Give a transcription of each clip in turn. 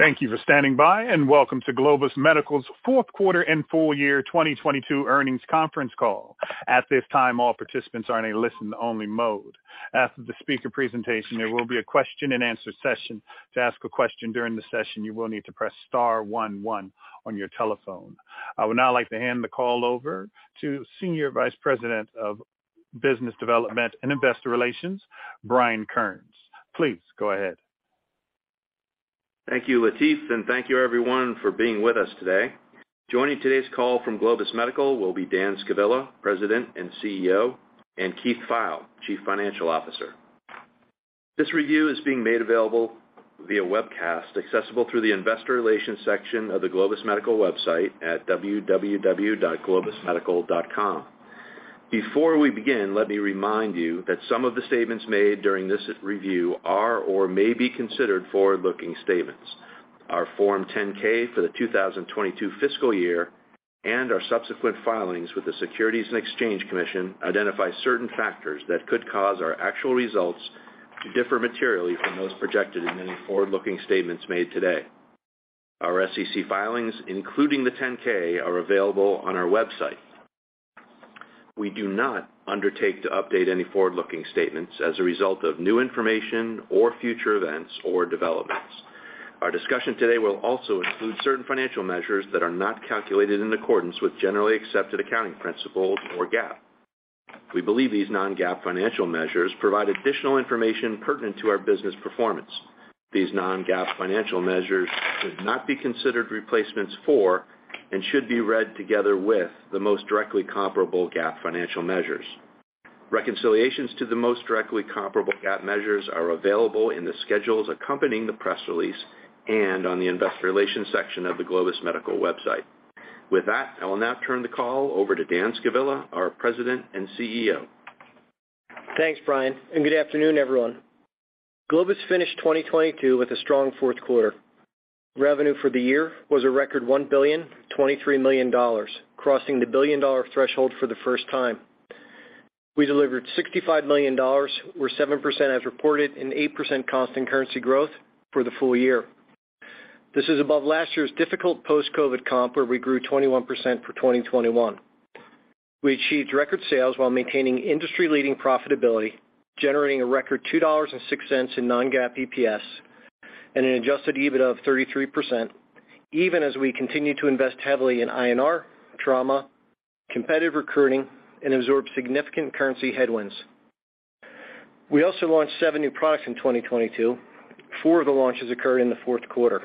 Thank you for standing by and welcome to Globus Medical's Q4 and Full Year 2022 Earnings Conference Call. At this time, all participants are in a listen only mode. After the speaker presentation, there will be a question and answer session. To ask a question during the session, you will need to press star one one on your telephone. I would now like to hand the call over to Senior Vice President of Business Development and Investor Relations, Brian Kearns. Please go ahead. Thank you, Latif, and thank you everyone for being with us today. Joining today's call from Globus Medical will be Dan Scavilla, President and CEO, and Keith Pfeil, Chief Financial Officer. This review is being made available via webcast, accessible through the investor relations section of the Globus Medical website at www.globusmedical.com. Before we begin, let me remind you that some of the statements made during this review are or may be considered forward-looking statements. Our Form 10-K for the 2022 fiscal year and our subsequent filings with the Securities and Exchange Commission identify certain factors that could cause our actual results to differ materially from those projected in any forward-looking statements made today. Our SEC filings, including the 10-K, are available on our website. We do not undertake to update any forward-looking statements as a result of new information or future events or developments. Our discussion today will also include certain financial measures that are not calculated in accordance with generally accepted accounting principles or GAAP. We believe these non-GAAP financial measures provide additional information pertinent to our business performance. These non-GAAP financial measures should not be considered replacements for and should be read together with the most directly comparable GAAP financial measures. Reconciliations to the most directly comparable GAAP measures are available in the schedules accompanying the press release and on the investor relations section of the Globus Medical website. I will now turn the call over to Dan Scavilla, our President and CEO. Thanks, Brian, and good afternoon, everyone. Globus finished 2022 with a strong Q4. Revenue for the year was a record $1,023 million, crossing the billion-dollar threshold for the first time. We delivered $65 million or 7% as reported and 8% constant currency growth for the full year. This is above last year's difficult post-COVID comp, where we grew 21% for 2021. We achieved record sales while maintaining industry-leading profitability, generating a record $2.06 in non-GAAP EPS and an Adjusted EBIT of 33%, even as we continue to invest heavily in INR, trauma, competitive recruiting and absorb significant currency headwinds. We also launched seven new products in 2022. four of the launches occurred in Q4.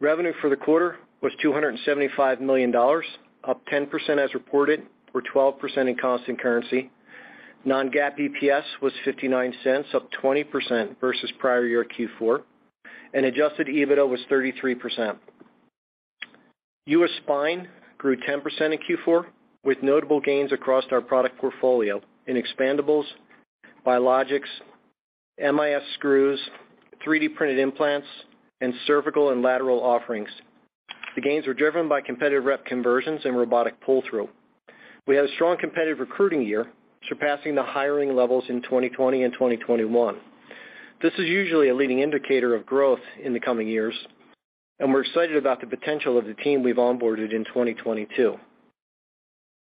Revenue for the quarter was $275 million, up 10% as reported or 12% in constant currency. Non-GAAP EPS was $0.59, up 20% versus prior year Q4, and Adjusted EBITDA was 33%. U.S. spine grew 10% in Q4 with notable gains across our product portfolio in expandables, biologics, MIS screws, 3D printed implants, and cervical and lateral offerings. The gains were driven by competitive rep conversions and robotic pull-through. We had a strong competitive recruiting year, surpassing the hiring levels in 2020 and 2021. This is usually a leading indicator of growth in the coming years, and we're excited about the potential of the team we've onboarded in 2022.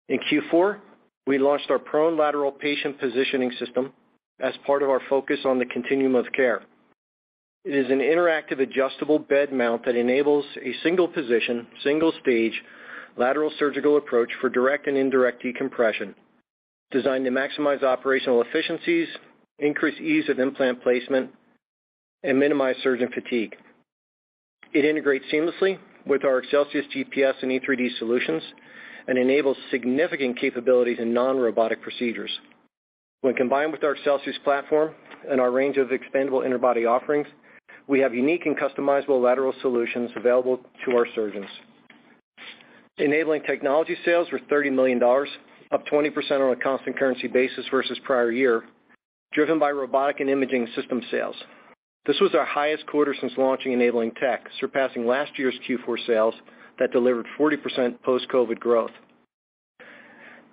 In Q4, we launched our Prone Lateral Patient Positioning System as part of our focus on the continuum of care. It is an interactive adjustable bed mount that enables a single position, single stage, lateral surgical approach for direct and indirect decompression, designed to maximize operational efficiencies, increase ease of implant placement, and minimize surgeon fatigue. It integrates seamlessly with our ExcelsiusGPS and E3D solutions and enables significant capabilities in non-robotic procedures. When combined with our Excelsius platform and our range of expandable interbody offerings, we have unique and customizable lateral solutions available to our surgeons. Enabling Technologies sales were $30 million, up 20% on a constant currency basis versus prior year, driven by robotic and imaging system sales. This was our highest quarter since launching Enabling Tech, surpassing last year's Q4 sales that delivered 40% post-COVID growth.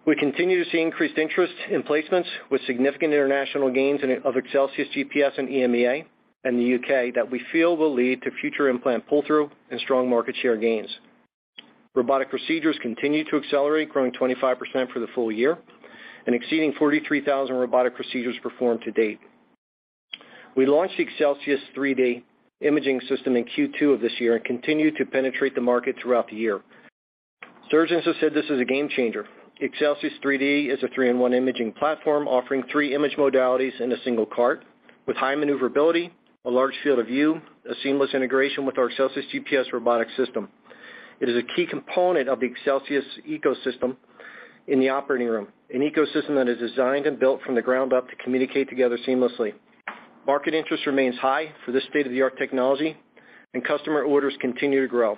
We continue to see increased interest in placements with significant international gains of ExcelsiusGPS in EMEA and the U.K. that we feel will lead to future implant pull-through and strong market share gains. Robotic procedures continue to accelerate, growing 25% for the full year and exceeding 43,000 robotic procedures performed to date. We launched the Excelsius3D imaging system in Q2 of this year and continued to penetrate the market throughout the year. Surgeons have said this is a game changer. Excelsius3D is a 3-in-1 imaging platform offering three image modalities in a single cart with high maneuverability, a large field of view, a seamless integration with our ExcelsiusGPS robotic system. It is a key component of the Excelsius ecosystem in the operating room, an ecosystem that is designed and built from the ground up to communicate together seamlessly. Market interest remains high for this state-of-the-art technology. Customer orders continue to grow.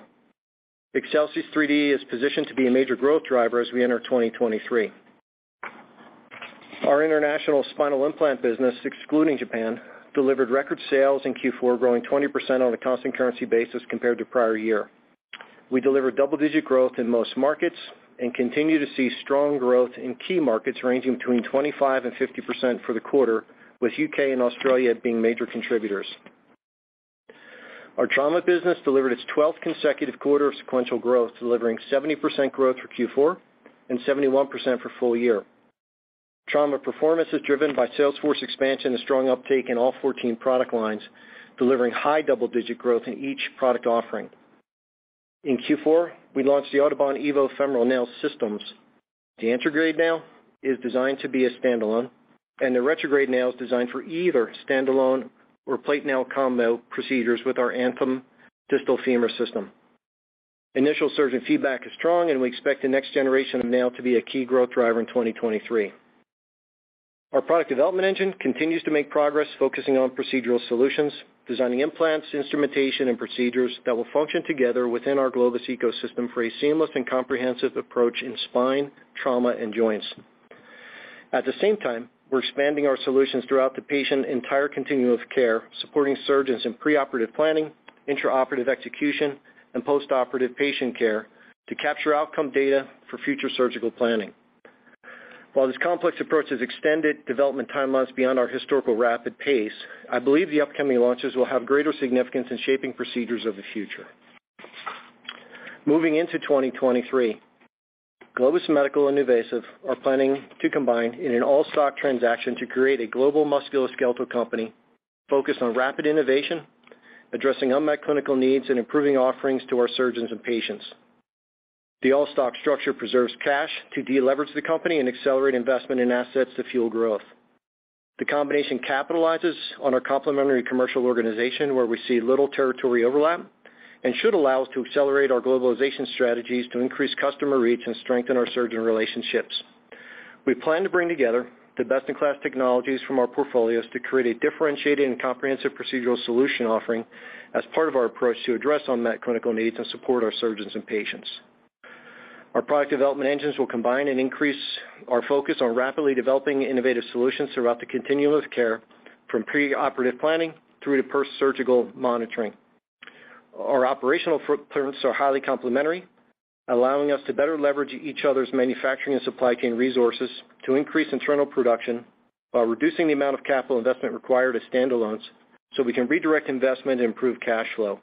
Excelsius3D is positioned to be a major growth driver as we enter 2023. Our international spinal implant business, excluding Japan, delivered record sales in Q4, growing 20% on a constant currency basis compared to prior year. We delivered double-digit growth in most markets and continue to see strong growth in key markets ranging between 25% and 50% for the quarter, with U.K and Australia being major contributors. Our trauma business delivered its 12th consecutive quarter of sequential growth, delivering 70% growth for Q4 and 71% for full year. Trauma performance is driven by sales force expansion and strong uptake in all 14 product lines, delivering high double-digit growth in each product offering. In Q4, we launched the AUTOBAHN® EVO femoral nail systems. The antegrade nail is designed to be a standalone, and the retrograde nail is designed for either standalone or plate nail combo procedures with our ANTHEM™ Distal Femur System. Initial surgeon feedback is strong, and we expect the next generation of nail to be a key growth driver in 2023. Our product development engine continues to make progress focusing on procedural solutions, designing implants, instrumentation and procedures that will function together within our Globus ecosystem for a seamless and comprehensive approach in spine, trauma and joints. At the same time, we're expanding our solutions throughout the patient entire continuum of care, supporting surgeons in preoperative planning, intraoperative execution and postoperative patient care to capture outcome data for future surgical planning. While this complex approach has extended development timelines beyond our historical rapid pace, I believe the upcoming launches will have greater significance in shaping procedures of the future. Moving into 2023, Globus Medical and NuVasive are planning to combine in an all-stock transaction to create a global musculoskeletal company focused on rapid innovation, addressing unmet clinical needs and improving offerings to our surgeons and patients. The all-stock structure preserves cash to deleverage the company and accelerate investment in assets to fuel growth. The combination capitalizes on our complementary commercial organization, where we see little territory overlap and should allow us to accelerate our globalization strategies to increase customer reach and strengthen our surgeon relationships. We plan to bring together the best-in-class technologies from our portfolios to create a differentiated and comprehensive procedural solution offering as part of our approach to address unmet clinical needs and support our surgeons and patients. Our product development engines will combine and increase our focus on rapidly developing innovative solutions throughout the continuum of care, from preoperative planning through to post-surgical monitoring. Our operational footprints are highly complementary, allowing us to better leverage each other's manufacturing and supply chain resources to increase internal production while reducing the amount of capital investment required as standalones, so we can redirect investment and improve cash flow.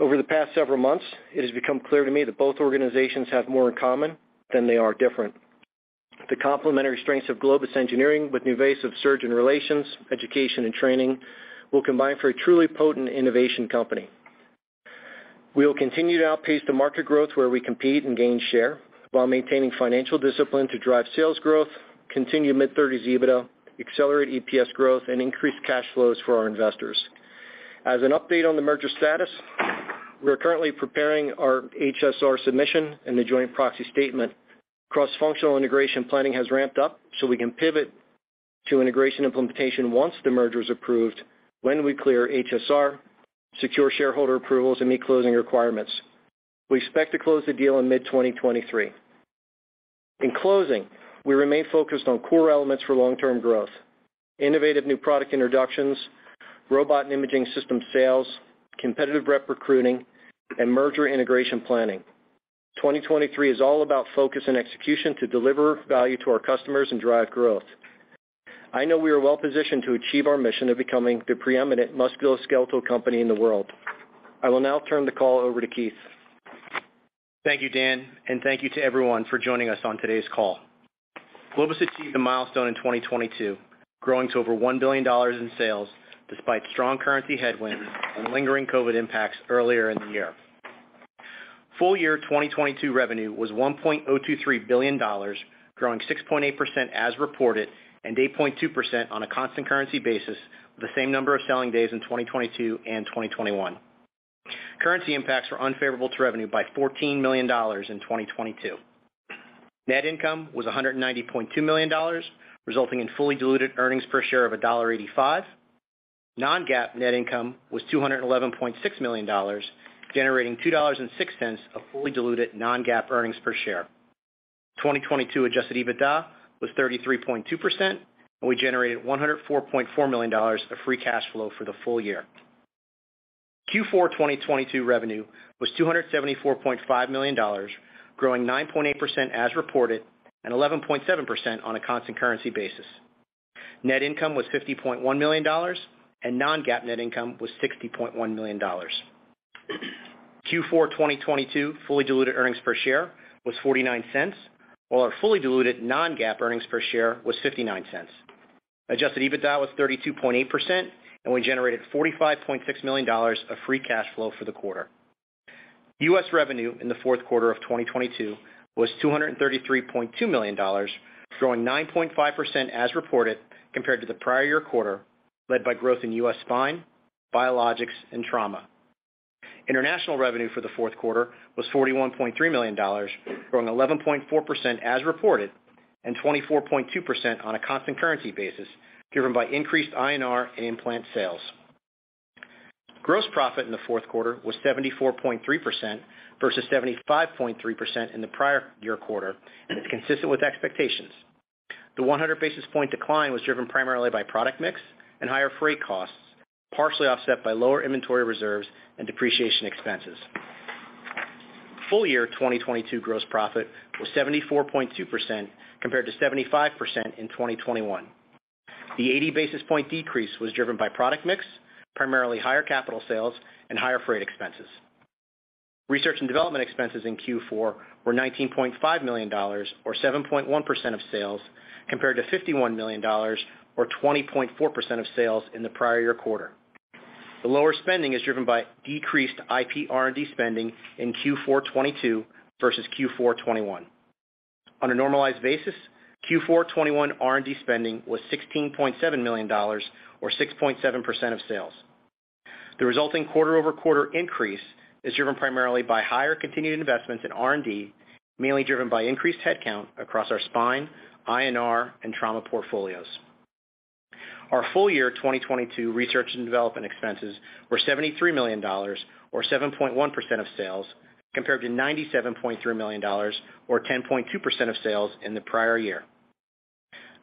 Over the past several months, it has become clear to me that both organizations have more in common than they are different. The complementary strengths of Globus engineering with NuVasive surgeon relations, education and training will combine for a truly potent innovation company. We will continue to outpace the market growth where we compete and gain share while maintaining financial discipline to drive sales growth, continue mid-30s EBITDA, accelerate EPS growth and increase cash flows for our investors. As an update on the merger status, we are currently preparing our HSR submission and the joint proxy statement. Cross-functional integration planning has ramped up so we can pivot to integration implementation once the merger is approved when we clear HSR, secure shareholder approvals and meet closing requirements. We expect to close the deal in mid-2023. In closing, we remain focused on core elements for long-term growth, innovative new product introductions, robot and imaging system sales, competitive rep recruiting and merger integration planning. 2023 is all about focus and execution to deliver value to our customers and drive growth. I know we are well positioned to achieve our mission of becoming the preeminent musculoskeletal company in the world. I will now turn the call over to Keith. Thank you, Dan, and thank you to everyone for joining us on today's call. Globus achieved a milestone in 2022, growing to over $1 billion in sales despite strong currency headwinds and lingering COVID impacts earlier in the year. Full year 2022 revenue was $1.023 billion, growing 6.8% as reported and 8.2% on a constant currency basis with the same number of selling days in 2022 and 2021. Currency impacts were unfavorable to revenue by $14 million in 2022. Net income was $190.2 million, resulting in fully diluted earnings per share of $1.85. Non-GAAP net income was $211.6 million, generating 2.06 of fully diluted non-GAAP earnings per share. 2022 Adjusted EBITDA was 33.2%. We generated $104.4 million of free cash flow for the full year. Q4 2022 revenue was $274.5 million, growing 9.8% as reported and 11.7% on a constant currency basis. Net income was $50.1 million and non-GAAP net income was $60.1 million. Q4 2022 fully diluted earnings per share was $0.49, while our fully diluted non-GAAP earnings per share was $0.59. Adjusted EBITDA was 32.8%. We generated $45.6 million of free cash flow for the quarter. U.S. revenue in the Q4 of 2022 was $233.2 million, growing 9.5% as reported compared to the prior year quarter, led by growth in U.S. spine, biologics and trauma. International revenue for the Q4 was $41.3 million, growing 11.4% as reported and 24.2% on a constant currency basis, driven by increased INR and implant sales. Gross profit in Q4 was 74.3% versus 75.3% in the prior year quarter and is consistent with expectations. The 100 basis point decline was driven primarily by product mix and higher freight costs, partially offset by lower inventory reserves and depreciation expenses. Full year 2022 gross profit was 74.2% compared to 75% in 2021. The 80 basis point decrease was driven by product mix, primarily higher capital sales and higher freight expenses. Research and development expenses in Q4 were $19.5 or 7.1% of sales, compared to 51 million or 20.4% of sales in the prior year quarter. The lower spending is driven by decreased IP R&D spending in Q4 2022 versus Q4 2021. On a normalized basis, Q4 2021 R&D spending was $16.7 million or 6.7% of sales. The resulting quarter-over-quarter increase is driven primarily by higher continued investments in R&D, mainly driven by increased headcount across our spine, INR, and trauma portfolios. Our full year 2022 R&D expenses were $73 or 7.1% of sales, compared to 97.3 million or 10.2% of sales in the prior year.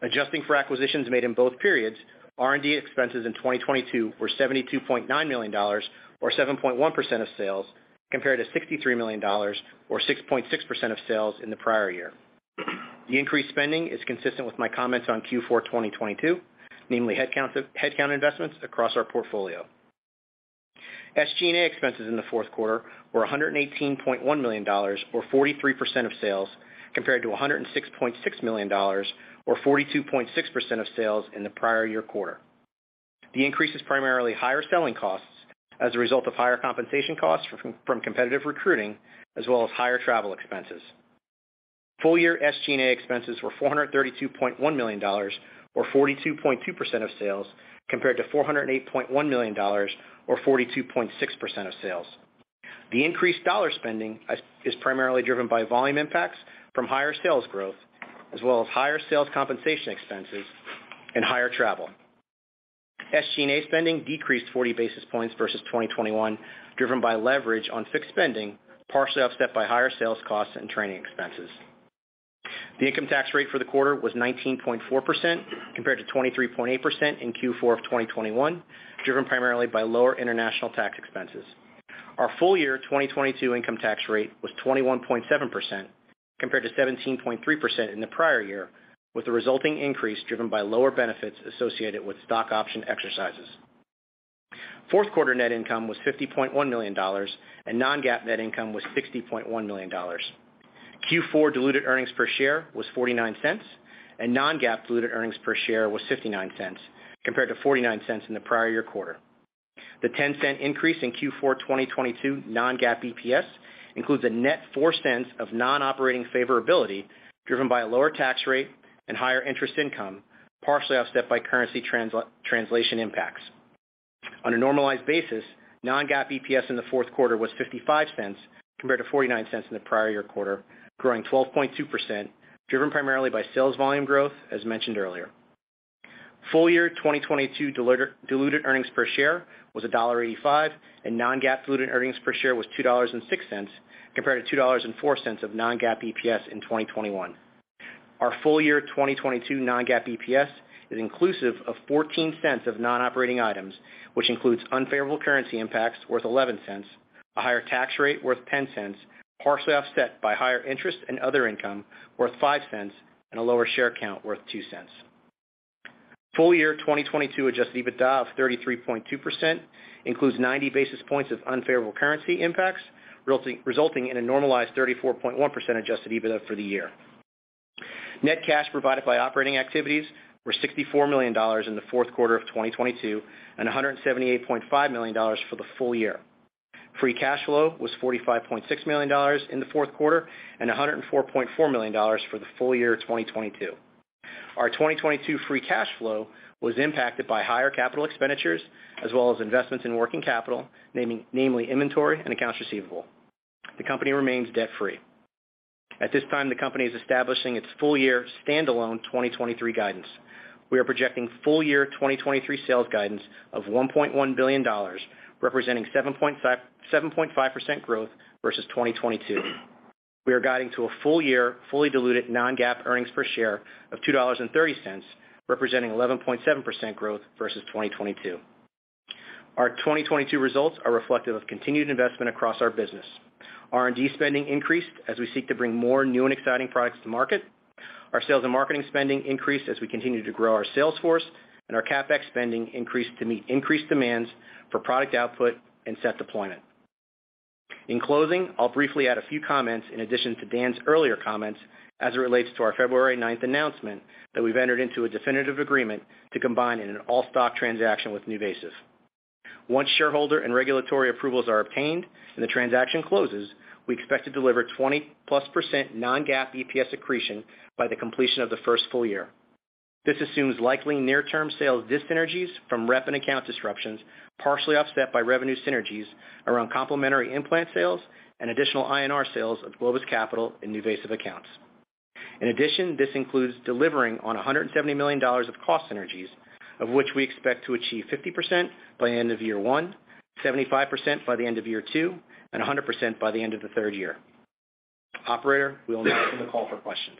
Adjusting for acquisitions made in both periods, R&D expenses in 2022 were $72.9 or 7.1% of sales, compared to 63 million or 6.6% of sales in the prior year. The increased spending is consistent with my comments on Q4 2022, namely headcount investments across our portfolio. SG&A expenses in the Q4 were $118.1 or 43% of sales, compared to 106.6 million or 42.6% of sales in the prior year quarter. The increase is primarily higher selling costs as a result of higher compensation costs from competitive recruiting, as well as higher travel expenses. Full year SG&A expenses were $432.1 or 42.2% of sales, compared to 408.1 million or 42.6% of sales. The increased dollar spending is primarily driven by volume impacts from higher sales growth as well as higher sales compensation expenses and higher travel. SG&A spending decreased 40 basis points versus 2021, driven by leverage on fixed spending, partially offset by higher sales costs and training expenses. The income tax rate for the quarter was 19.4% compared to 23.8% in Q4 of 2021, driven primarily by lower international tax expenses. Our full year 2022 income tax rate was 21.7% compared to 17.3% in the prior year, with the resulting increase driven by lower benefits associated with stock option exercises. Q4 net income was $50.1 million, and non-GAAP net income was $60.1 million. Q4 diluted earnings per share was $0.49, and non-GAAP diluted earnings per share was $0.59 compared to 0.49 in the prior year quarter. The $0.10 increase in Q4 2022 non-GAAP EPS includes a net $0.04 of non-operating favorability driven by a lower tax rate and higher interest income, partially offset by currency translation impacts. On a normalized basis, non-GAAP EPS in the Q4 was $0.55 compared to 0.49 in the prior year quarter, growing 12.2%, driven primarily by sales volume growth, as mentioned earlier. Full year 2022 diluted earnings per share was $1.85, and non-GAAP diluted earnings per share was $2.06 compared to 2.04 of non-GAAP EPS in 2021. Our full year 2022 non-GAAP EPS is inclusive of $0.14 of non-operating items, which includes unfavorable currency impacts worth $0.11, a higher tax rate worth $0.10, partially offset by higher interest and other income worth $0.05 and a lower share count worth $0.02. Full year 2022 Adjusted EBITDA of 33.2% includes 90 basis points of unfavorable currency impacts, resulting in a normalized 34.1% Adjusted EBITDA for the year. Net cash provided by operating activities were $64 million in the Q4 of 2022 and $178.5 million for the full year. Free cash flow was $45.6 million in Q4 and $104.4 million for the full year 2022. Our 2022 free cash flow was impacted by higher capital expenditures as well as investments in working capital, namely inventory and accounts receivable. The company remains debt-free. At this time, the company is establishing its full year standalone 2023 guidance. We are projecting full year 2023 sales guidance of $1.1 billion, representing 7.5% growth versus 2022. We are guiding to a full year fully diluted non-GAAP earnings per share of $2.30, representing 11.7% growth versus 2022. Our 2022 results are reflective of continued investment across our business. R&D spending increased as we seek to bring more new and exciting products to market. Our sales and marketing spending increased as we continue to grow our sales force and our CapEx spending increased to meet increased demands for product output and set deployment. In closing, I'll briefly add a few comments in addition to Dan's earlier comments as it relates to our February 9 announcement that we've entered into a definitive agreement to combine in an all-stock transaction with NuVasive. Once shareholder and regulatory approvals are obtained and the transaction closes, we expect to deliver 20+% non-GAAP EPS accretion by the completion of the first full year. This assumes likely near-term sales dyssynergies from rep and account disruptions, partially offset by revenue synergies around complementary implant sales and additional INR sales of Globus Medical and NuVasive accounts. This includes delivering on $170 million of cost synergies. Of which we expect to achieve 50% by end of year one, 75% by the end of year two, and 100% by the end of the third year. Operator, we'll now open the call for questions.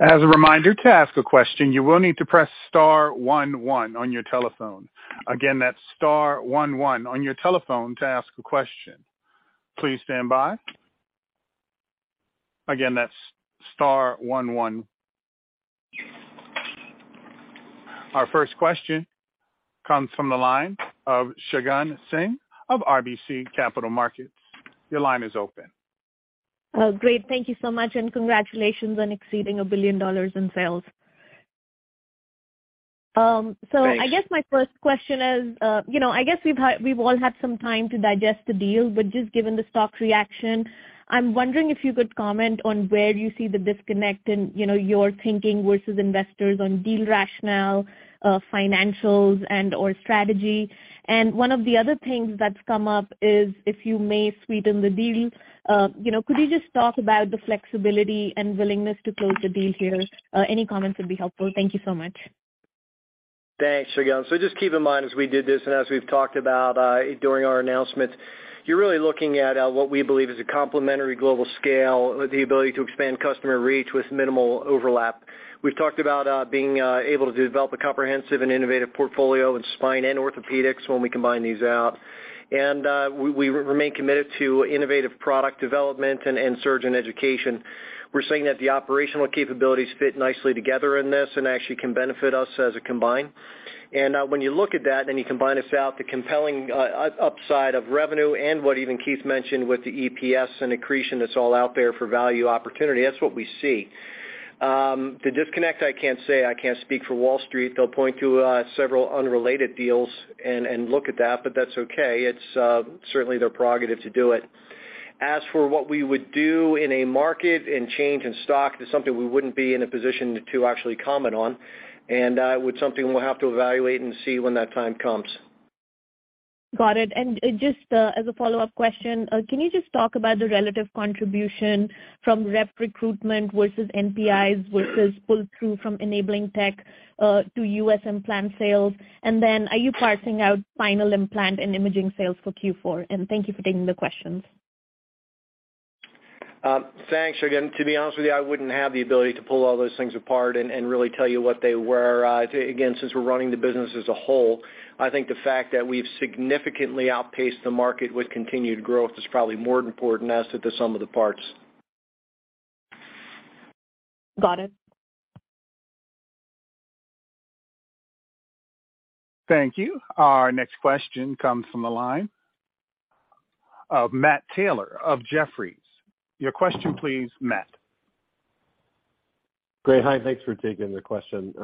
As a reminder, to ask a question, you will need to press star one one on your telephone. Again, that's star one one on your telephone to ask a question. Please stand by. Again, that's star one one. Our first question comes from the line of Shagun Singh of RBC Capital Markets. Your line is open. Oh, great. Thank you so much, and congratulations on exceeding $1 billion in sales. I guess my first question is, you know, I guess we've all had some time to digest the deal, but just given the stock's reaction, I'm wondering if you could comment on where you see the disconnect in, you know, your thinking versus investors on deal rationale, financials and-or strategy. One of the other things that's come up is if you may sweeten the deal, you know, could you just talk about the flexibility and willingness to close the deal here? Any comments would be helpful. Thank you so much. Thanks, Shagun. Just keep in mind as we did this and as we've talked about, during our announcement, you're really looking at what we believe is a complementary global scale with the ability to expand customer reach with minimal overlap. We've talked about being able to develop a comprehensive and innovative portfolio in spine and orthopedics when we combine these out. We remain committed to innovative product development and surgeon education. We're seeing that the operational capabilities fit nicely together in this and actually can benefit us as a combined. When you look at that, then you combine this out, the compelling upside of revenue and what even Keith mentioned with the EPS and accretion that's all out there for value opportunity. That's what we see. The disconnect, I can't say. I can't speak for Wall Street. They'll point to several unrelated deals and look at that, but that's okay. It's certainly their prerogative to do it. As for what we would do in a market and change in stock, that's something we wouldn't be in a position to actually comment on and would something we'll have to evaluate and see when that time comes. Got it. Just as a follow-up question, can you just talk about the relative contribution from rep recruitment versus NPIs versus pull-through from enabling tech, to U.S. implant sales? Then are you parsing out final implant and imaging sales for Q4? Thank you for taking the questions. Thanks. To be honest with you, I wouldn't have the ability to pull all those things apart and really tell you what they were. Since we're running the business as a whole, I think the fact that we've significantly outpaced the market with continued growth is probably more important to us than the sum of the parts. Got it. Thank you. Our next question comes from the line of Matthew Taylor of Jefferies. Your question, please, Matt. Great. Hi. Thanks for taking the question.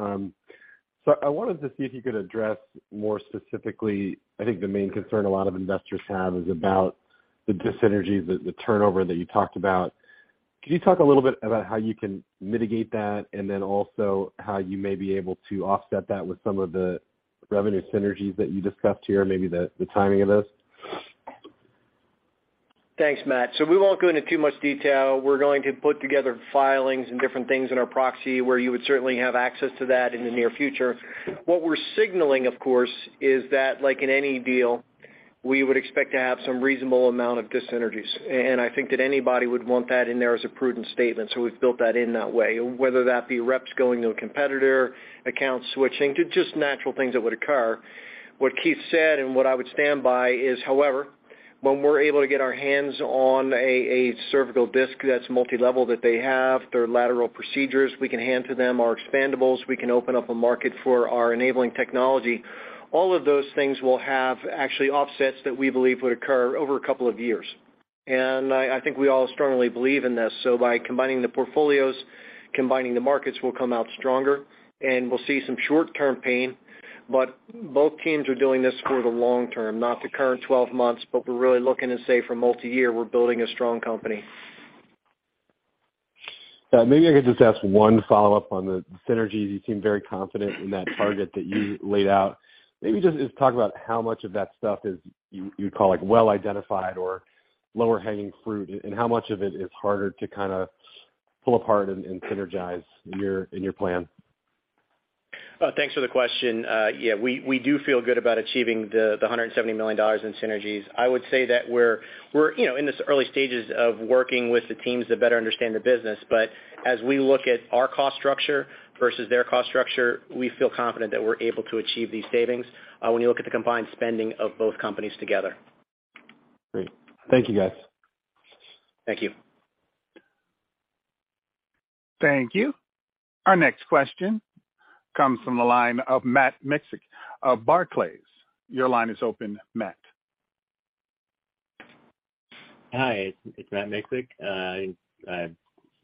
I wanted to see if you could address more specifically, I think the main concern a lot of investors have is about the dissynergies, the turnover that you talked about. Could you talk a little bit about how you can mitigate that, and then also how you may be able to offset that with some of the revenue synergies that you discussed here, maybe the timing of those? Thanks, Matt. We won't go into too much detail. We're going to put together filings and different things in our proxy where you would certainly have access to that in the near future. What we're signaling, of course, is that like in any deal, we would expect to have some reasonable amount of dissynergies. I think that anybody would want that in there as a prudent statement, so we've built that in that way. Whether that be reps going to a competitor, accounts switching to just natural things that would occur. What Keith said and what I would stand by is, however, when we're able to get our hands on a cervical disc that's multi-level that they have through lateral procedures, we can hand to them our expandables. We can open up a market for our Enabling Technologies. All of those things will have actually offsets that we believe would occur over a couple of years. I think we all strongly believe in this. By combining the portfolios, combining the markets, we'll come out stronger, and we'll see some short-term pain. Both teams are doing this for the long term, not the current 12 months, but we're really looking to say for multiyear, we're building a strong company. Yeah. Maybe I could just ask one follow-up on the synergies. You seem very confident in that target that you laid out. Maybe just talk about how much of that stuff is you'd call it well identified or lower hanging fruit, and how much of it is harder to kinda pull apart and synergize in your plan. Thanks for the question. Yeah, we do feel good about achieving the $170 million in synergies. I would say that we're, you know, in the early stages of working with the teams to better understand the business. As we look at our cost structure versus their cost structure, we feel confident that we're able to achieve these savings when you look at the combined spending of both companies together. Great. Thank you, guys. Thank you. Thank you. Our next question comes from the line of Matt Miksic of Barclays. Your line is open, Matt. Hi, it's Matt Miksic.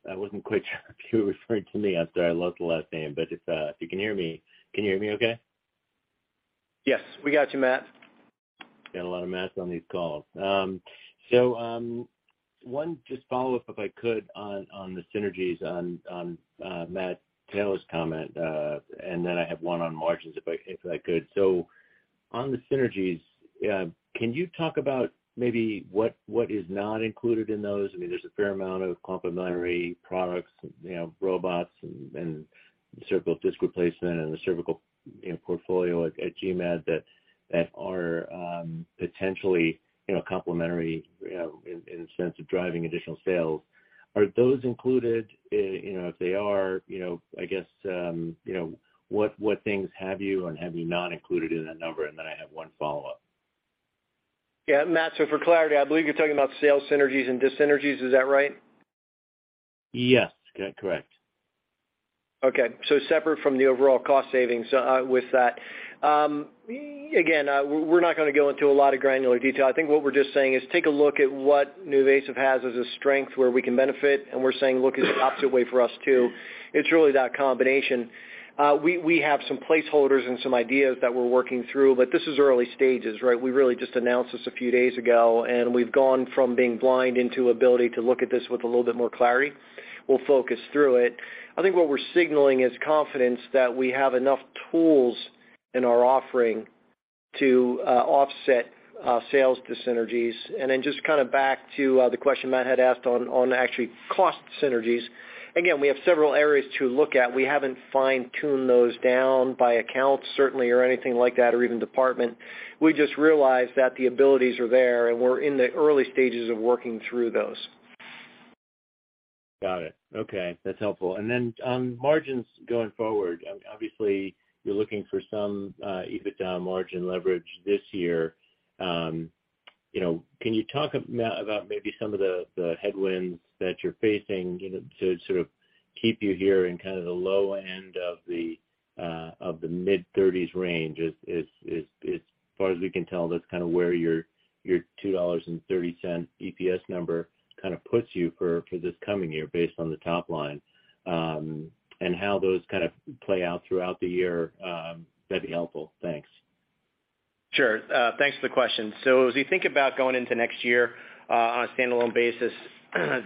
I wasn't quite sure if you were referring to me. I'm sorry. I love the last name, but if you can hear me, can you hear me okay? Yes, we got you, Matt. Got a lot of Matts on these calls. One just follow-up, if I could, on the synergies on Matthew Taylor's comment, and then I have one on margins if I could. On the synergies, can you talk about maybe what is not included in those? I mean, there's a fair amount of complementary products, you know, robots and cervical disc replacement and the cervical, you know, portfolio at GMED that are potentially, you know, complementary, you know, in a sense of driving additional sales. Are those included? You know, if they are, you know, I guess, you know, what things have you or have you not included in that number? Then I have one follow-up. Yeah. Matt, for clarity, I believe you're talking about sales synergies and dissynergies. Is that right? Yes. Correct. Separate from the overall cost savings with that. Again, we're not gonna go into a lot of granular detail. I think what we're just saying is take a look at what NuVasive has as a strength where we can benefit, and we're saying look at the opposite way for us too. It's really that combination. We have some placeholders and some ideas that we're working through, but this is early stages, right? We really just announced this a few days ago, and we've gone from being blind into ability to look at this with a little bit more clarity. We'll focus through it. I think what we're signaling is confidence that we have enough tools in our offering to offset sales dissynergies. Just kind of back to the question Matt had asked on actually cost synergies. Again, we have several areas to look at. We haven't fine-tuned those down by accounts certainly or anything like that, or even department. We just realized that the abilities are there, and we're in the early stages of working through those. Got it. Okay. That's helpful. Then, margins going forward, obviously you're looking for some EBITDA margin leverage this year. you know, can you talk about maybe some of the headwinds that you're facing, you know, to sort of keep you here in kind of the low end of the mid-30s range? As far as we can tell, that's kind of where your $2.30 EPS number kind of puts you for this coming year based on the top line, and how those kind of play out throughout the year, that'd be helpful. Thanks. Sure. Thanks for the question. As we think about going into next year, on a standalone basis,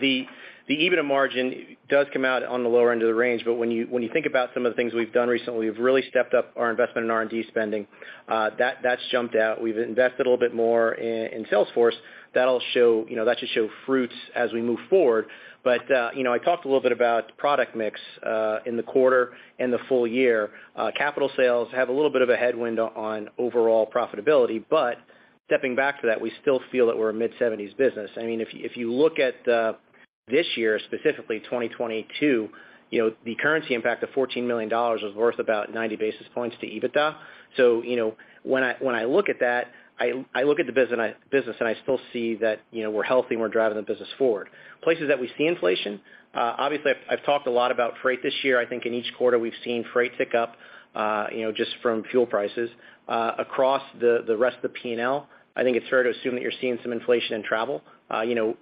the EBITDA margin does come out on the lower end of the range. When you think about some of the things we've done recently, we've really stepped up our investment in R&D spending. That's jumped out. We've invested a little bit more in sales force. That'll show, you know, that should show fruits as we move forward. You know, I talked a little bit about product mix in the quarter and the full year. Capital sales have a little bit of a headwind on overall profitability. Stepping back to that, we still feel that we're a mid-70s business. I mean, if you look at this year, specifically 2022, you know, the currency impact of $14 million was worth about 90 basis points to EBITDA. You know, when I look at that, I look at the business, and I still see that, you know, we're healthy and we're driving the business forward. Places that we see inflation, obviously I've talked a lot about freight this year. I think in each quarter we've seen freight tick up, you know, just from fuel prices. Across the rest of the P&L, I think it's fair to assume that you're seeing some inflation in travel. You know,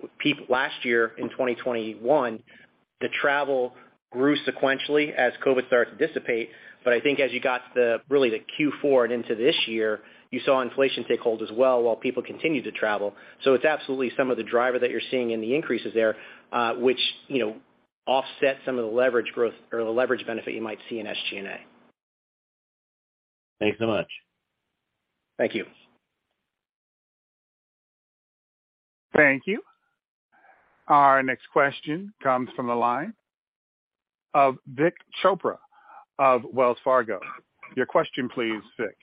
last year in 2021, the travel grew sequentially as COVID started to dissipate. I think as you got to the really the Q4 and into this year, you saw inflation take hold as well while people continued to travel. It's absolutely some of the driver that you're seeing in the increases there, which, you know, offset some of the leverage growth or the leverage benefit you might see in SG&A. Thanks so much. Thank you. Thank you. Our next question comes from the line of Vik Chopra of Wells Fargo. Your question please, Vik.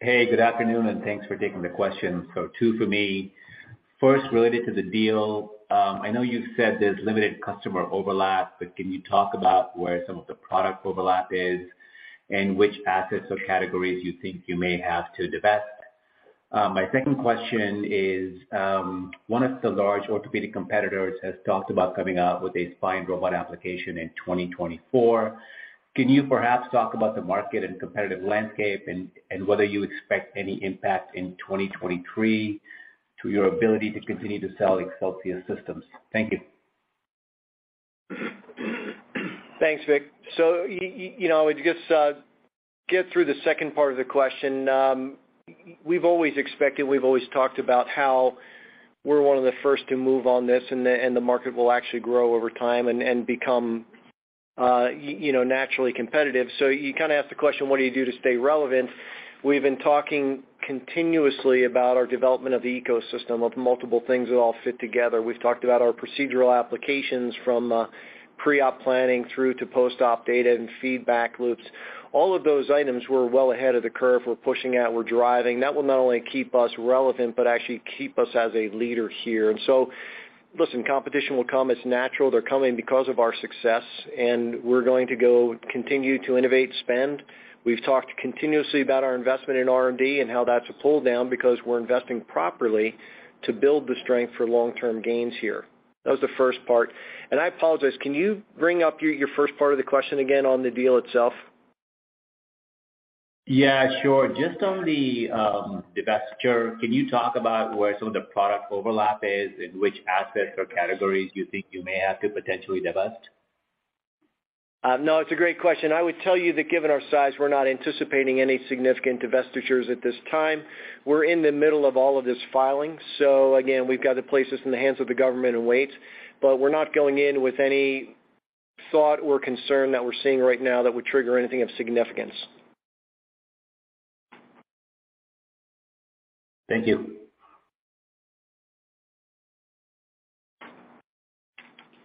Hey, good afternoon, and thanks for taking the question. Two for me. First, related to the deal, I know you've said there's limited customer overlap, but can you talk about where some of the product overlap is and which assets or categories you think you may have to divest? My second question is, one of the large orthopedic competitors has talked about coming out with a spine robot application in 2024. Can you perhaps talk about the market and competitive landscape and whether you expect any impact in 2023 to your ability to continue to sell Excelsius systems? Thank you. Thanks, Vik. You know, just get through the second part of the question. We've always expected, we've always talked about how we're one of the first to move on this, and the market will actually grow over time and become, you know, naturally competitive. You kind of ask the question, what do you do to stay relevant? We've been talking continuously about our development of the ecosystem of multiple things that all fit together. We've talked about our procedural applications from pre-op planning through to post-op data and feedback loops. All of those items we're well ahead of the curve. We're pushing out, we're driving. That will not only keep us relevant but actually keep us as a leader here. Listen, competition will come. It's natural. They're coming because of our success, we're going to go continue to innovate, spend. We've talked continuously about our investment in R&D and how that's a pull-down because we're investing properly to build the strength for long-term gains here. That was the first part, I apologize. Can you bring up your first part of the question again on the deal itself? Yeah, sure. Just on the divestiture, can you talk about where some of the product overlap is and which assets or categories you think you may have to potentially divest? No, it's a great question. I would tell you that given our size, we're not anticipating any significant divestitures at this time. We're in the middle of all of this filing. Again, we've got to place this in the hands of the government and wait. We're not going in with any thought or concern that we're seeing right now that would trigger anything of significance. Thank you.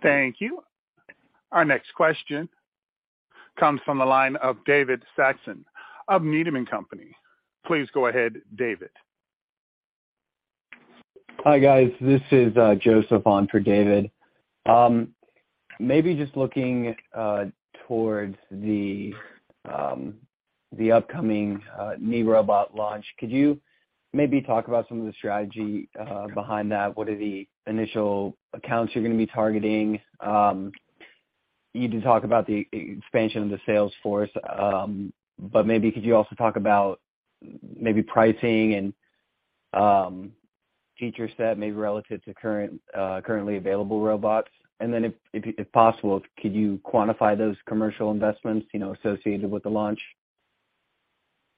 Thank you. Our next question comes from the line of David Saxon of Needham and Company. Please go ahead, David. Hi, guys. This is Joseph on for David. Maybe just looking towards the upcoming knee robot launch, could you maybe talk about some of the strategy behind that? What are the initial accounts you're gonna be targeting? You can talk about the expansion of the sales force, but maybe could you also talk about maybe pricing and feature set maybe relative to current currently available robots? If possible, could you quantify those commercial investments, you know, associated with the launch?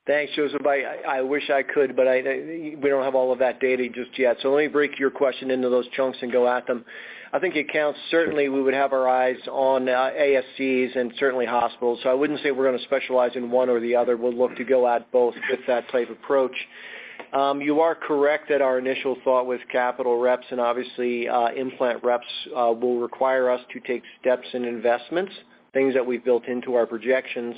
Thanks, Joseph. I wish I could, but I. We don't have all of that data just yet. Let me break your question into those chunks and go at them. I think accounts certainly we would have our eyes on ASCs and certainly hospitals. I wouldn't say we're gonna specialize in one or the other. We'll look to go at both with that type approach. You are correct that our initial thought was capital reps and obviously implant reps will require us to take steps in investments, things that we've built into our projections.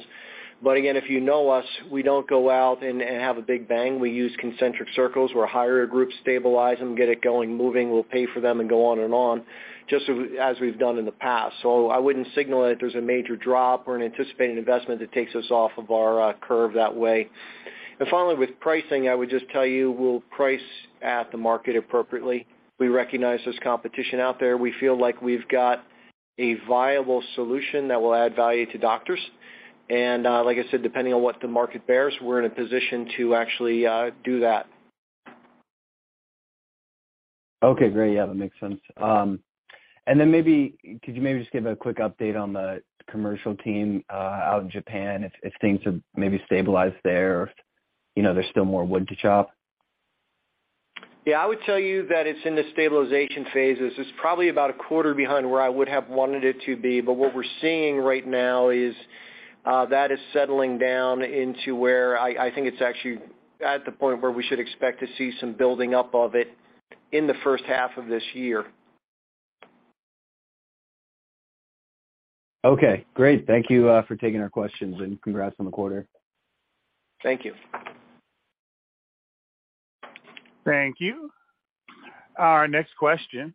Again, if you know us, we don't go out and have a big bang. We use concentric circles. We'll hire a group, stabilize them, get it going, moving, we'll pay for them and go on and on, just as we've done in the past. I wouldn't signal that there's a major drop or an anticipated investment that takes us off of our curve that way. Finally, with pricing, I would just tell you we'll price at the market appropriately. We recognize there's competition out there. We feel like we've got a viable solution that will add value to doctors. Like I said, depending on what the market bears, we're in a position to actually do that. Okay, great. Yeah, that makes sense. Then maybe could you maybe just give a quick update on the commercial team out in Japan, if things have maybe stabilized there, you know, there's still more wood to chop? I would tell you that it's in the stabilization phases. It's probably about a quarter behind where I would have wanted it to be. What we're seeing right now is that is settling down into where I think it's actually at the point where we should expect to see some building up of it in the first half of this year. Okay, great. Thank you for taking our questions and congrats on the quarter. Thank you. Thank you. Our next question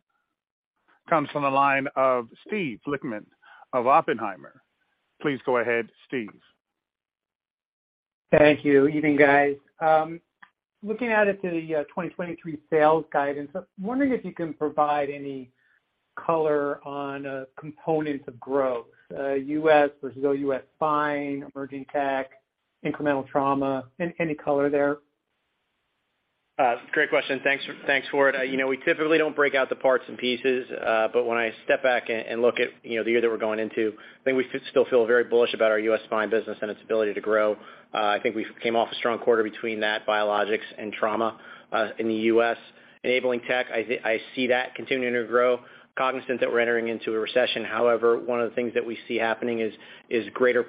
comes from the line of Steven Lichtman of Oppenheimer. Please go ahead, Steve. Thank you. Evening, guys. Looking at it, the 2023 sales guidance, wondering if you can provide any color on components of growth, U.S. versus OUS spine, emerging tech, incremental trauma, any color there? Great question. Thanks for it. You know, we typically don't break out the parts and pieces, but when I step back and look at, you know, the year that we're going into, I think we still feel very bullish about our U.S. spine business and its ability to grow. I think we came off a strong quarter between that, biologics and trauma, in the U.S. Enabling Tech, I see that continuing to grow. Cognizant that we're entering into a recession, however, one of the things that we see happening is greater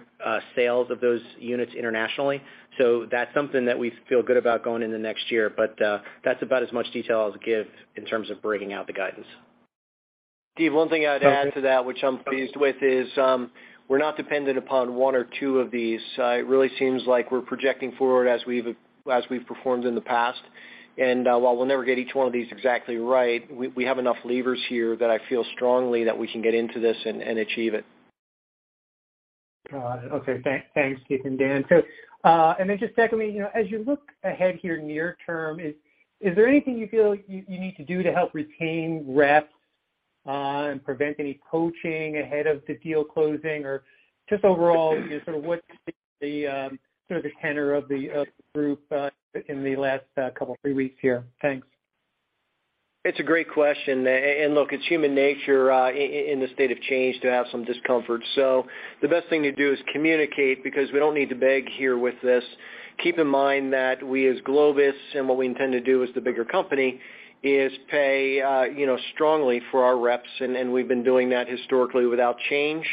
sales of those units internationally. That's something that we feel good about going into next year. That's about as much detail I'll give in terms of breaking out the guidance. Steve, one thing I'd add to that which I'm pleased with is, we're not dependent upon one or two of these. It really seems like we're projecting forward as we've performed in the past. While we'll never get each one of these exactly right, we have enough levers here that I feel strongly that we can get into this and achieve it. Got it. Okay. Thanks, Keith and Dan. Just secondly, you know, as you look ahead here near term, is there anything you feel you need to do to help retain reps and prevent any poaching ahead of the deal closing? Just overall, just sort of what's the sort of the tenor of the group in the last couple, three weeks here? Thanks. It's a great question. And look, it's human nature, in the state of change to have some discomfort. The best thing to do is communicate because we don't need to beg here with this. Keep in mind that we as Globus and what we intend to do as the bigger company is pay, you know, strongly for our reps, and we've been doing that historically without change,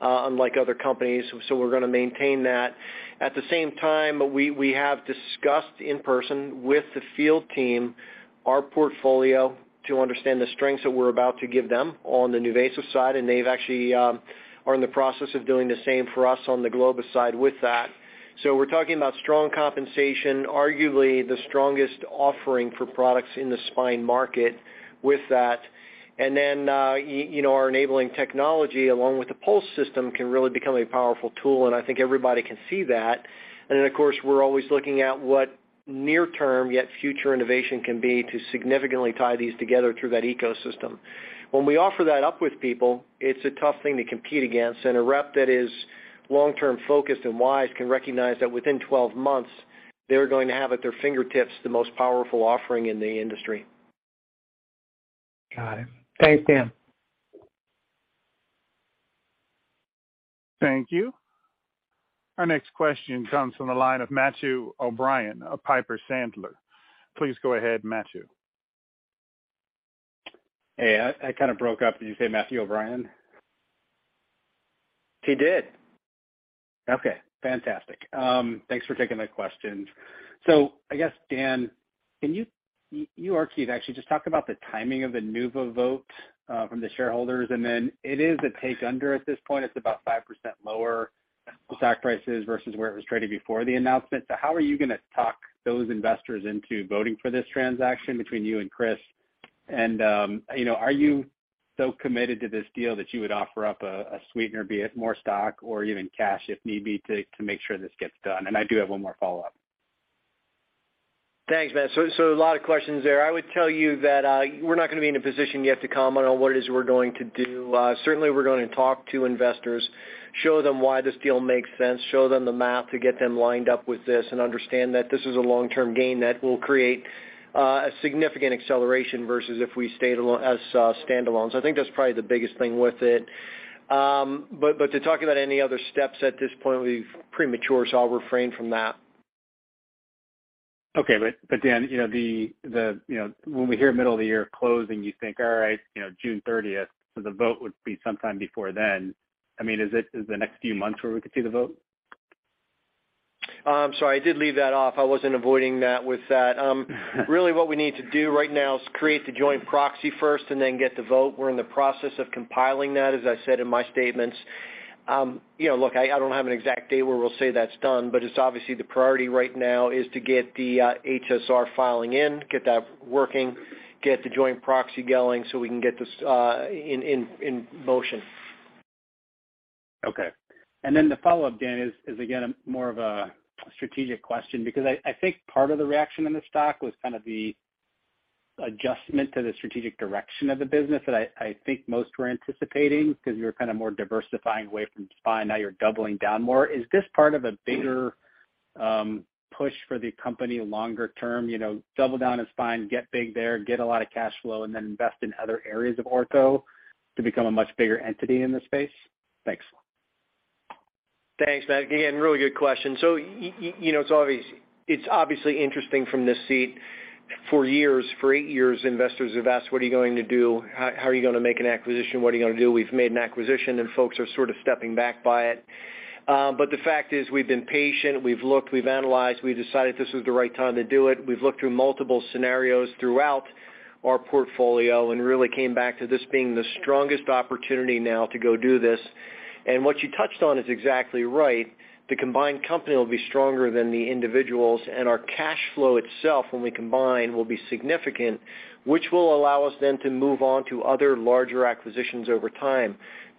unlike other companies. We're gonna maintain that. At the same time, we have discussed in person with the field team our portfolio to understand the strengths that we're about to give them on the NuVasive side, and they've actually are in the process of doing the same for us on the Globus side with that. We're talking about strong compensation, arguably the strongest offering for products in the spine market with that. you know, our Enabling Technologies along with the Pulse system can really become a powerful tool, and I think everybody can see that. Of course, we're always looking at what near term yet future innovation can be to significantly tie these together through that ecosystem. When we offer that up with people, it's a tough thing to compete against. A rep that is long-term focused and wise can recognize that within 12 months, they're going to have at their fingertips the most powerful offering in the industry. Got it. Thanks, Dan. Thank you. Our next question comes from the line of Matthew O'Brien of Piper Sandler. Please go ahead, Matthew. Hey, I kind of broke up. Did you say Matthew O'Brien? He did. Okay, fantastic. Thanks for taking my questions. I guess, Dan, can you or Keith actually just talk about the timing of the NuVasive vote from the shareholders, and then it is a take under at this point. It's about 5% lower the stock price is versus where it was traded before the announcement. How are you gonna talk those investors into voting for this transaction between you and Chris? You know, are you so committed to this deal that you would offer up a sweetener, be it more stock or even cash, if need be to make sure this gets done? I do have one more follow-up. Thanks, Matt. A lot of questions there. I would tell you that we're not gonna be in a position yet to comment on what it is we're going to do. Certainly we're gonna talk to investors, show them why this deal makes sense, show them the math to get them lined up with this and understand that this is a long-term gain that will create a significant acceleration versus if we stayed as standalones. I think that's probably the biggest thing with it. To talk about any other steps at this point would be premature, so I'll refrain from that. Okay. But Dan, you know, the, you know, when we hear middle of the year closing, you think, all right, you know, June 30, so the vote would be sometime before then. I mean, is the next few months where we could see the vote? Sorry, I did leave that off. I wasn't avoiding that with that. Really what we need to do right now is create the joint proxy first and then get the vote. We're in the process of compiling that, as I said in my statements. You know, look, I don't have an exact date where we'll say that's done, but it's obviously the priority right now is to get the HSR filing in, get that working, get the joint proxy going so we can get this in motion. Okay. The follow-up, Dan, is again, more of a strategic question because I think part of the reaction in the stock was kind of the adjustment to the strategic direction of the business that I think most were anticipating because you were kind of more diversifying away from spine, now you're doubling down more. Is this part of a bigger push for the company longer term? You know, double down on spine, get big there, get a lot of cash flow, and then invest in other areas of ortho to become a much bigger entity in this space? Thanks. Thanks, Matt. Really good question. You know, it's obvious. It's obviously interesting from this seat. For years, for eight years, investors have asked, "What are you going to do? How are you going to make an acquisition? What are you going to do?" We've made an acquisition and folks are sort of stepping back by it. The fact is we've been patient, we've looked, we've analyzed, we decided this was the right time to do it. We've looked through multiple scenarios throughout our portfolio and really came back to this being the strongest opportunity now to go do this. What you touched on is exactly right. The combined company will be stronger than the individuals, and our cash flow itself when we combine will be significant, which will allow us then to move on to other larger acquisitions over time.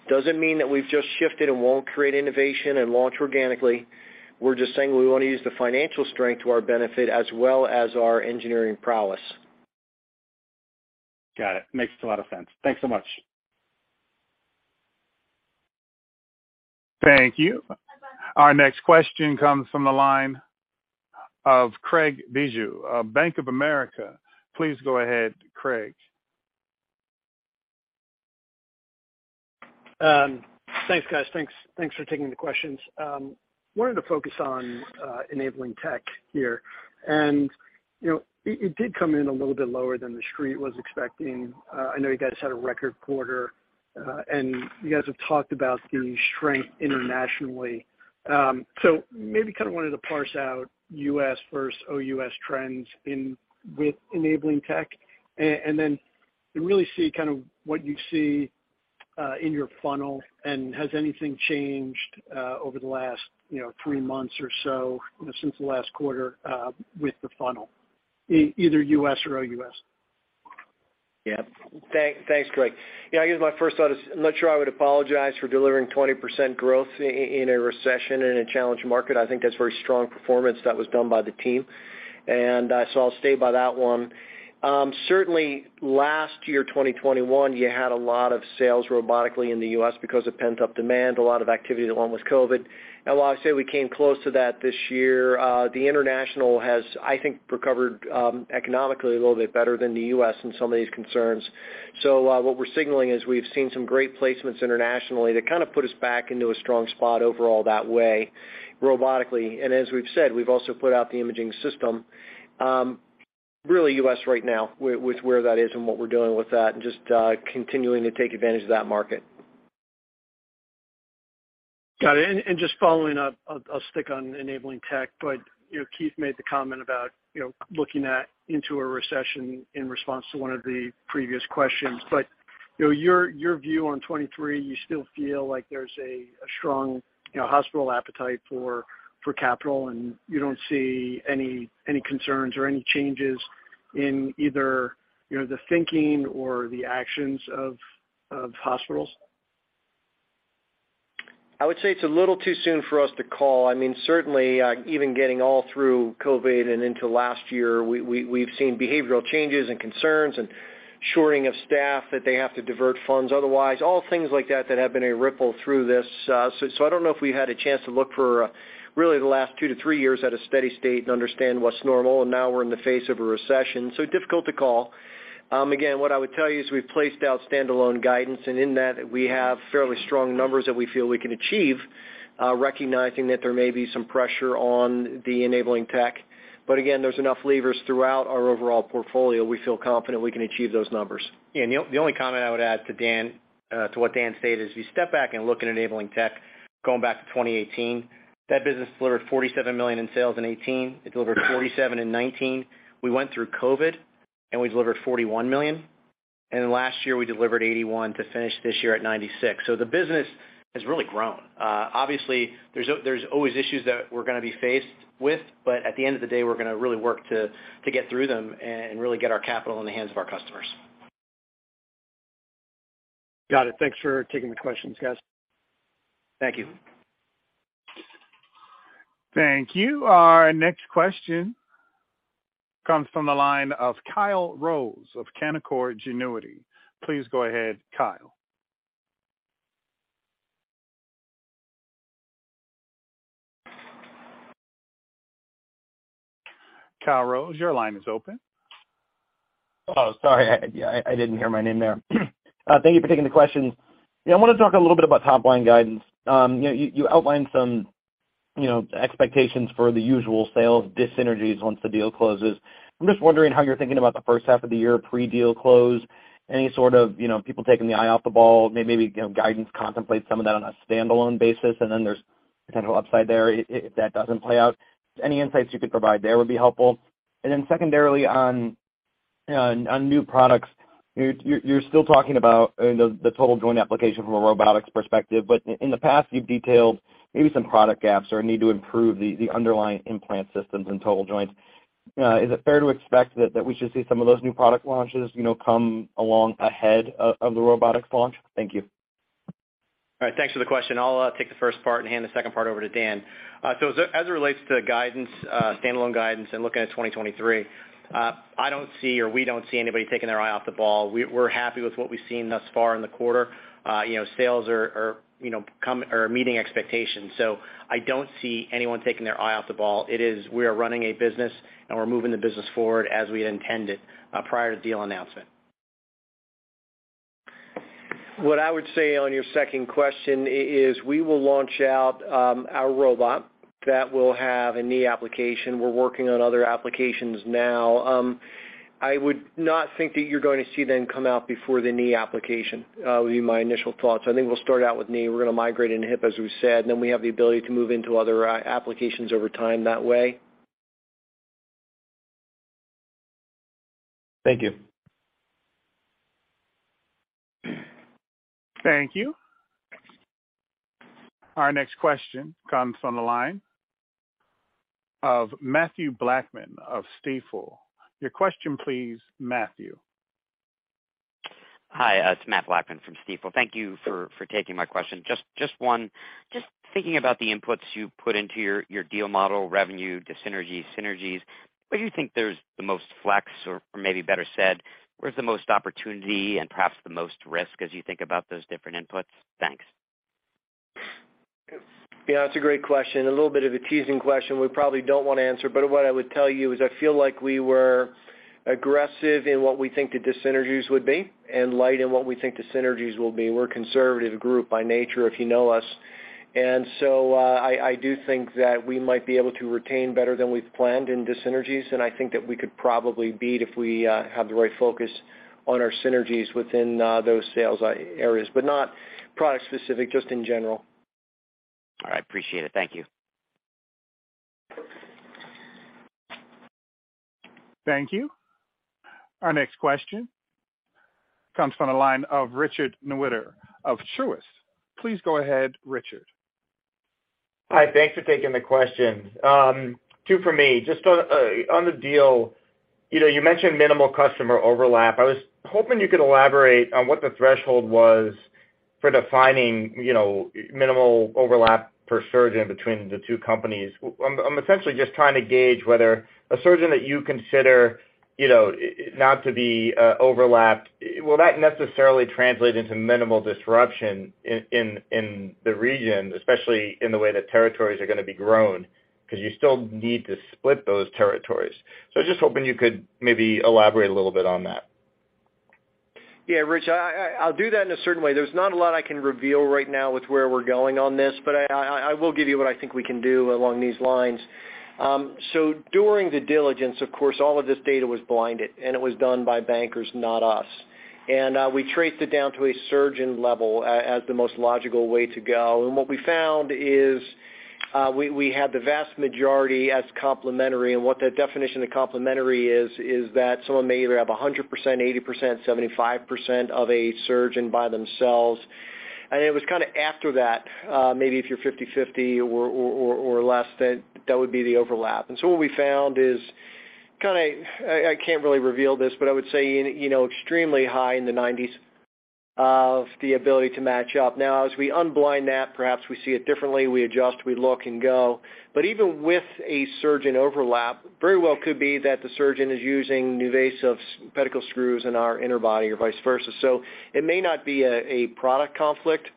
Doesn't mean that we've just shifted and won't create innovation and launch organically. We're just saying we wanna use the financial strength to our benefit as well as our engineering prowess. Got it. Makes a lot of sense. Thanks so much. Thank you. Our next question comes from the line of Craig Bijou of Bank of America. Please go ahead, Craig. Thanks, guys. Thanks, thanks for taking the questions. Wanted to focus on Enabling Tech here. You know, it did come in a little bit lower than the Street was expecting. I know you guys had a record quarter, and you guys have talked about the strength internationally. Maybe kind of wanted to parse out U.S. versus OUS trends with Enabling Tech. Really see kind of what you see in your funnel, and has anything changed over the last, you know, three months or so, you know, since the last quarter, with the funnel, either U.S. or OUS? Thanks, Craig. I guess my first thought is I'm not sure I would apologize for delivering 20% growth in a recession in a challenged market. I think that's very strong performance that was done by the team. I'll stay by that one. Certainly last year, 2021, you had a lot of sales robotically in the U.S. because of pent-up demand, a lot of activity along with COVID. While I say we came close to that this year, the international has, I think, recovered economically a little bit better than the U.S. in some of these concerns. What we're signaling is we've seen some great placements internationally that kind of put us back into a strong spot overall that way robotically. As we've said, we've also put out the imaging system, really U.S. right now with where that is and what we're doing with that and just continuing to take advantage of that market. Got it. Just following up, I'll stick on Enabling Tech, but, you know, Keith made the comment about, you know, looking into a recession in response to one of the previous questions. You know, your view on 2023, you still feel like there's a strong, you know, hospital appetite for capital and you don't see any concerns or any changes in either, you know, the thinking or the actions of hospitals? I would say it's a little too soon for us to call. I mean, certainly, even getting all through COVID and into last year, we've seen behavioral changes and concerns and shoring of staff that they have to divert funds otherwise, all things like that that have been a ripple through this. I don't know if we had a chance to look for really the last two to three years at a steady state and understand what's normal, and now we're in the face of a recession. Difficult to call. Again, what I would tell you is we've placed out standalone guidance, and in that, we have fairly strong numbers that we feel we can achieve, recognizing that there may be some pressure on the Enabling Tech, but again, there's enough levers throughout our overall portfolio. We feel confident we can achieve those numbers. Yeah. The only comment I would add to Dan, to what Dan said is, if you step back and look at Enabling Technologies going back to 2018, that business delivered $47 million in sales in 2018. It delivered $47 million in 2019. We went through COVID, we delivered $41 million. Last year, we delivered $81 million to finish this year at $96 million. The business has really grown. obviously, there's always issues that we're gonna be faced with, but at the end of the day, we're gonna really work to get through them and really get our capital in the hands of our customers. Got it. Thanks for taking the questions, guys. Thank you. Thank you. Our next question comes from the line of Kyle Rose of Canaccord Genuity. Please go ahead, Kyle. Kyle Rose, your line is open. Oh, sorry, I didn't hear my name there. Thank you for taking the question. I wanna talk a little bit about top-line guidance. You, you outlined some, you know, expectations for the usual sales dissynergies once the deal closes. I'm just wondering how you're thinking about the first half of the year pre-deal close. Any sort of, you know, people taking the eye off the ball? Maybe, you know, guidance contemplates some of that on a standalone basis, and then there's potential upside there if that doesn't play out. Any insights you could provide there would be helpful. Secondarily, on new products, you're still talking about, you know, the total joint application from a robotics perspective. In the past, you've detailed maybe some product gaps or a need to improve the underlying implant systems and total joints. is it fair to expect that we should see some of those new product launches, you know, come along ahead of the robotics launch? Thank you. All right. Thanks for the question. I'll take the first part and hand the second part over to Dan. So as it relates to guidance, standalone guidance and looking at 2023, I don't see or we don't see anybody taking their eye off the ball. We're happy with what we've seen thus far in the quarter. You know, sales are, you know, meeting expectations. I don't see anyone taking their eye off the ball. It is we are running a business, and we're moving the business forward as we had intended prior to deal announcement. What I would say on your second question is, we will launch out, our robot that will have a knee application. We're working on other applications now. I would not think that you're going to see them come out before the knee application, would be my initial thoughts. I think we'll start out with knee. We're gonna migrate into hip, as we said, and then we have the ability to move into other applications over time that way. Thank you. Thank you. Our next question comes from the line of Mathew Blackman of Stifel. Your question please, Matthew. Hi. It's Matt Blackman from Stifel. Thank you for taking my question. Just one. Just thinking about the inputs you put into your deal model revenue, dissynergies, synergies, where do you think there's the most flex, or maybe better said, where's the most opportunity and perhaps the most risk as you think about those different inputs? Thanks. Yeah, it's a great question. A little bit of a teasing question we probably don't wanna answer, what I would tell you is I feel like we were aggressive in what we think the dissynergies would be and light in what we think the synergies will be. We're a conservative group by nature, if you know us. I do think that we might be able to retain better than we've planned in dissynergies, and I think that we could probably beat if we have the right focus on our synergies within those sales areas, but not product specific, just in general. All right. Appreciate it. Thank you. Thank you. Our next question comes from the line of Richard Newitter of Truist. Please go ahead, Richard. Hi. Thanks for taking the questions. Two for me. Just on the deal, you know, you mentioned minimal customer overlap. I was hoping you could elaborate on what the threshold was for defining, you know, minimal overlap per surgeon between the two companies. I'm essentially just trying to gauge whether a surgeon that you consider, you know, not to be, overlapped, will that necessarily translate into minimal disruption in, in the region, especially in the way that territories are gonna be grown 'cause you still need to split those territories. I was just hoping you could maybe elaborate a little bit on that. Yeah, Rich. I'll do that in a certain way. There's not a lot I can reveal right now with where we're going on this, but I will give you what I think we can do along these lines. So during the diligence, of course, all of this data was blinded, and it was done by bankers, not us. We traced it down to a surgeon level as the most logical way to go. What we found is, we had the vast majority as complementary, and what the definition of complementary is that someone may either have 100%, 80%, 75% of a surgeon by themselves. It was kinda after that, maybe if you're 50%-50% or less, that would be the overlap. What we found is kinda... I can't really reveal this, but I would say, you know, extremely high in the 90s of the ability to match up. Now, as we unblind that, perhaps we see it differently, we adjust, we look and go. Even with a surgeon overlap, very well could be that the surgeon is using NuVasive's pedicle screws in our interbody or vice versa. It may not be a product conflict.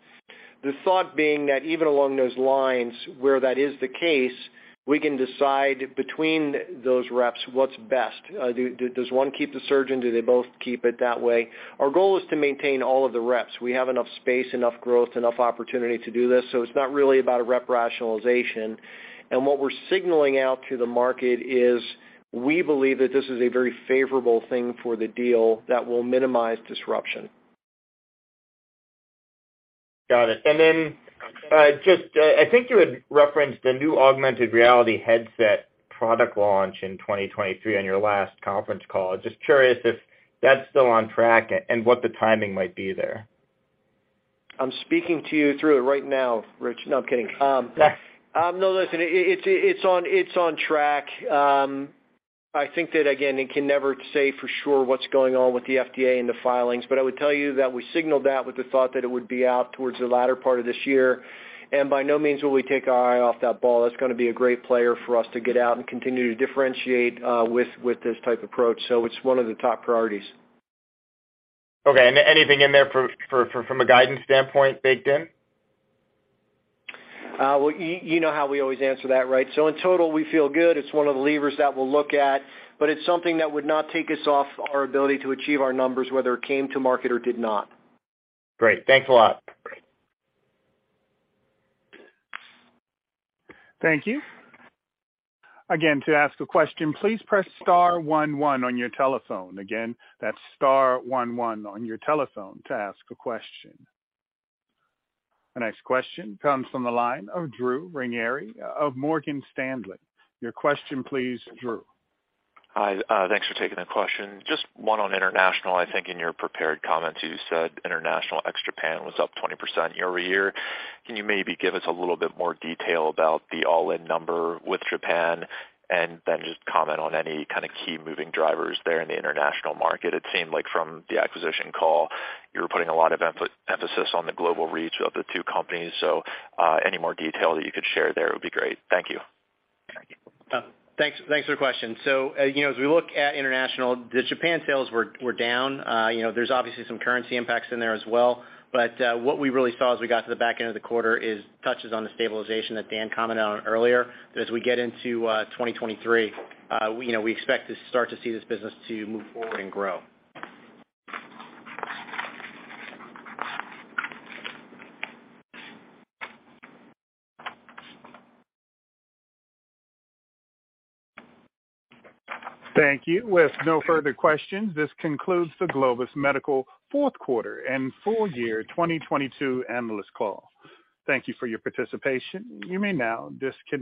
The thought being that even along those lines, where that is the case, we can decide between those reps what's best. Does one keep the surgeon? Do they both keep it that way? Our goal is to maintain all of the reps. We have enough space, enough growth, enough opportunity to do this, so it's not really about a rep rationalization. What we're signaling out to the market is we believe that this is a very favorable thing for the deal that will minimize disruption. Got it. Just, I think you had referenced the new augmented reality headset product launch in 2023 on your last conference call. Just curious if that's still on track and what the timing might be there? I'm speaking to you through it right now, Rich. No, I'm kidding. No, listen. It's on track. I think that, again, it can never say for sure what's going on with the FDA and the filings, but I would tell you that we signaled that with the thought that it would be out towards the latter part of this year. By no means will we take our eye off that ball. That's gonna be a great player for us to get out and continue to differentiate with this type of approach. It's one of the top priorities. Okay. Anything in there for from a guidance standpoint baked in? Well, you know how we always answer that, right? In total, we feel good. It's one of the levers that we'll look at, but it's something that would not take us off our ability to achieve our numbers whether it came to market or did not. Great. Thanks a lot. Thank you. Again, to ask a question, please press star one one on your telephone. Again, that's star one one on your telephone to ask a question. The next question comes from the line of Drew Ranieri of Morgan Stanley. Your question, please, Drew. Hi, thanks for taking the question. Just one on international. I think in your prepared comments, you said international ex-Japan was up 20% year-over-year. Can you maybe give us a little bit more detail about the all-in number with Japan? Then just comment on any kind of key moving drivers there in the international market. It seemed like from the acquisition call, you were putting a lot of emphasis on the global reach of the two companies. Any more detail that you could share there would be great. Thank you. Thanks. Thanks for the question. you know, as we look at international, the Japan sales were down. you know, there's obviously some currency impacts in there as well. what we really saw as we got to the back end of the quarter is touches on the stabilization that Dan commented on earlier. as we get into 2023, you know, we expect to start to see this business to move forward and grow. Thank you. With no further questions, this concludes the Globus Medical Q4 and Full Year 2022 Analyst Call. Thank you for your participation. You may now disconnect.